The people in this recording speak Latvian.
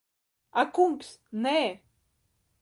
Ak kungs, nē.